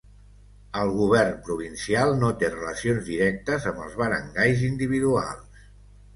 El govern provincial no té relacions directes amb els barangays individuals.